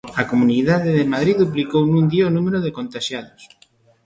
A Comunidade de Madrid duplicou nun día o número de contaxiados.